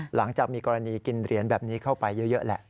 หลังจากมีกรณีกินเหรียญแบบนี้เข้าไปเยอะแหละ